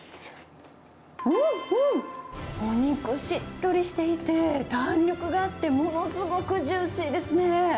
うんうん、お肉しっとりしていて、弾力があって、ものすごくジューシーですね。